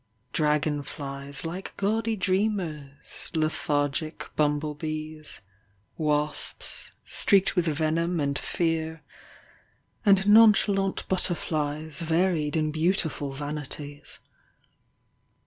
— Dragon flies like gaudy dreamers, Lethargic bumble bees, Wasps streaked with venom and fear And nonchalant butterflies Varied in beautiful vanities.